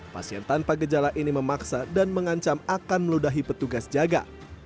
pasien tanpa gejala ini memaksa dan mengancam akan meludahi petugas jaga